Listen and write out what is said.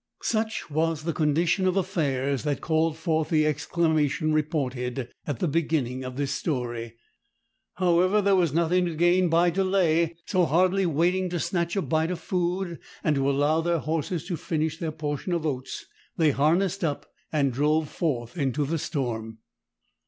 Such was the condition of affairs that called forth the exclamation reported at the beginning of this story. However, there was nothing to gain by delay, so hardly waiting to snatch a bite of food and to allow their horses to finish their portion of oats, they harnessed up and drove forth into the storm.